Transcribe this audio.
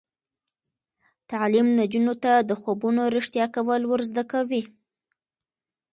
تعلیم نجونو ته د خوبونو رښتیا کول ور زده کوي.